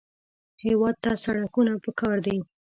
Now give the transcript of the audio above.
هېواد ته سړکونه پکار دي